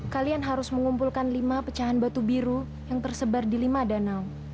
kalian harus mengumpulkan lima pecahan batu biru yang tersebar di lima danau